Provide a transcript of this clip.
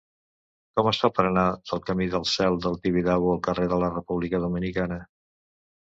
Com es fa per anar del camí del Cel del Tibidabo al carrer de la República Dominicana?